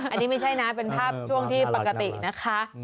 อันนี้ไม่ใช่นะเป็นภาพช่วงที่ปกตินะคะ